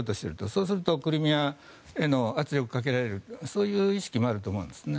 そうするとクリミアへの圧力をかけられるそういう意識もあると思うんですね。